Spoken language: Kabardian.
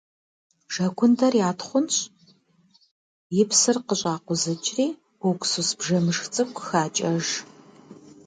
Жэгундэр ятхъунщӏ, и псыр къыщӏакъузыкӏри, уксус бжэмышх цӏыкӏу хакӏэж.